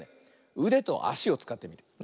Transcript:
うでとあしをつかってみる。